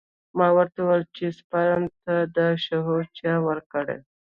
ما ورته وويل چې سپرم ته دا شعور چا ورکړى.